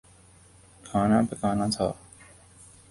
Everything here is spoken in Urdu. کھانا پکانا تھا